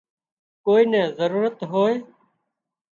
ڪوئي نين ضرورت هوئي